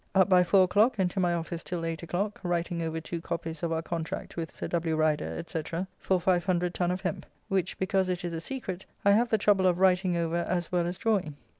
Up by four o'clock and to my office till 8 o'clock, writing over two copies of our contract with Sir W. Rider, &c., for 500 ton of hempe, which, because it is a secret, I have the trouble of writing over as well as drawing.